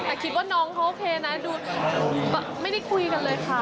แต่คิดว่าน้องเขาโอเคนะดูไม่ได้คุยกันเลยค่ะ